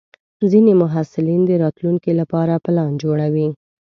ځینې محصلین د راتلونکي لپاره پلان جوړوي.